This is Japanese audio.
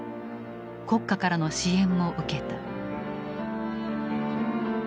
国家からの支援も受けた。